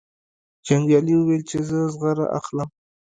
جنګیالي وویل چې زه زغره اخلم.